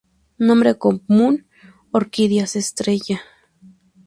Nombre común: Orquídeas estrella.